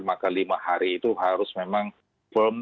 maka lima hari itu harus memang firm